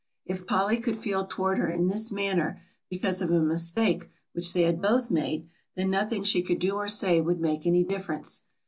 If Polly could feel toward her in this manner because of a mistake which they had both made, then nothing she could do or say would make any difference.